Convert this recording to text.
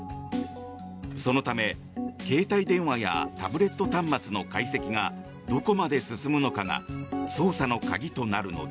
そのため、携帯電話やタブレット端末の解析がどこまで進むのかが捜査の鍵となるのだ。